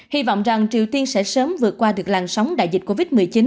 hy vọng rằng triều tiên sẽ sớm vượt qua được làn sóng đại dịch covid một mươi chín